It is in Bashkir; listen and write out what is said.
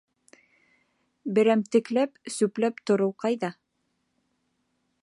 Берәмтекләп сүпләп тороу ҡайҙа!